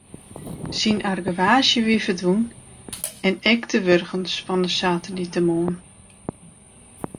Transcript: Syn argewaasje wie ferdwûn en ek de wurgens fan de saterdeitemoarn.